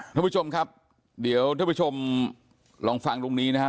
ท่านผู้ชมครับเดี๋ยวท่านผู้ชมลองฟังตรงนี้นะครับ